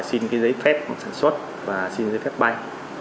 họ xin cái giấy phép sản xuất và xin giấy phép bay